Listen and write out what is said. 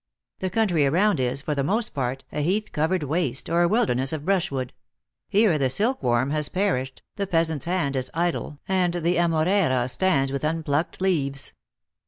The coun 238 THE ACTRESS IK HIGH LIFE. try around, is, for the most part, a heath covered waste, or a wilderness of brushwood ; here the silk worm has perished, the peasant s hand is idle, and the amoreira stands with unplucked leaves."